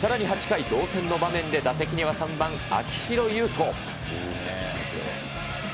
さらに８回、同点の場面で打席には３番秋広優人。